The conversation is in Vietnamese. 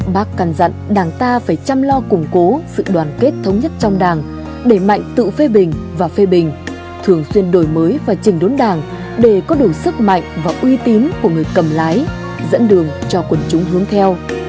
bác căn dặn đảng ta phải chăm lo củng cố sự đoàn kết thống nhất trong đảng đẩy mạnh tự phê bình và phê bình thường xuyên đổi mới và chỉnh đốn đảng để có đủ sức mạnh và uy tín của người cầm lái dẫn đường cho quần chúng hướng theo